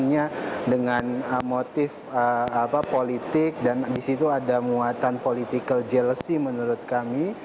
makanya dengan motif politik dan di situ ada muatan political jealousy menurut kami